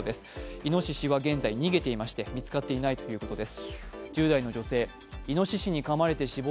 いのししは現在、逃げていまして見つかっていないということです。